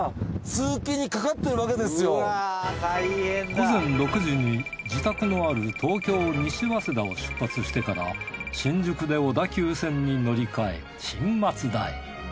午前６時に自宅のある東京西早稲田を出発してから新宿で小田急線に乗り換え新松田へ。